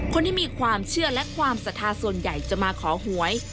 คนที่มีความเชื่อและความศรัทธาส่วนใหญ่จะมาขอหวย